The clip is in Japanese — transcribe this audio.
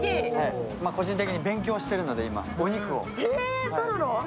個人的に勉強しているので、今、お肉を。